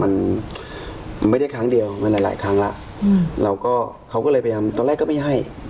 มันไม่ได้ครั้งเดียวมันหลายหลายครั้งแล้วเราก็เขาก็เลยพยายามตอนแรกก็ไม่ให้